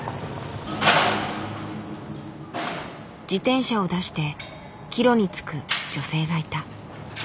自転車を出して帰路につく女性がいた。